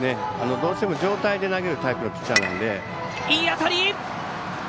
どうしても上体で投げるタイプのピッチャーなので。